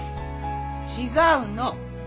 違うの。